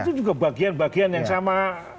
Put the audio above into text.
itu juga bagian bagian yang sama